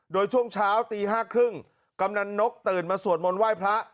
โดยช่วงเช้าตี๕๓๐กำนันนกตื่นมาสวดมนต์ไหว้พระ